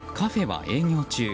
この時、カフェは営業中。